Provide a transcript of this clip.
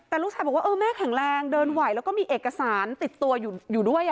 แต่ลูกชายบอกว่าเออแม่แข็งแรงเดินไหวแล้วก็มีเอกสารติดตัวอยู่ด้วย